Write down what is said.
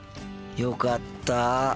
よかった。